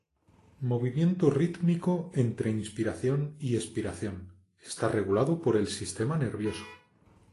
Movimiento rítmico entre inspiración y espiración, está regulado por el sistema nervioso.